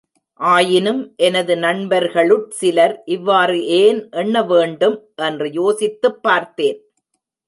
ஆயினும் எனது நண்பர்களுட்சிலர், இவ்வாறு ஏன் எண்ணவேண்டும் என்று யோசித்துப் பார்த்தேன்.